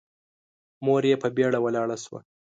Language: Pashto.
مور يې په بيړه ولاړه شوه.